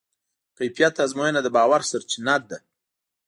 د کیفیت ازموینه د باور سرچینه ده.